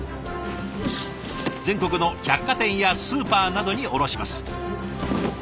全国の百貨店やスーパーなどに卸します。